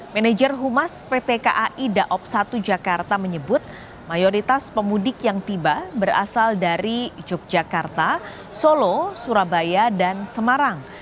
manager humas pt kai daob satu jakarta menyebut mayoritas pemudik yang tiba berasal dari yogyakarta solo surabaya dan semarang